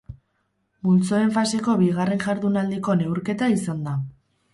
Multzoen faseko bigarren jardunaldiko neurketa izan da.